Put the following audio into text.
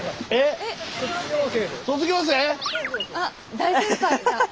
大先輩だ。